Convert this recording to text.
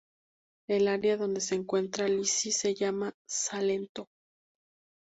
El área donde se encuentra Lecce se llama Salento.